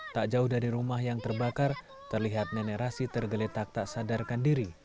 tak jauh dari rumah yang terbakar terlihat nenek rashid tergeletak tak sadarkan diri